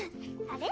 あれ？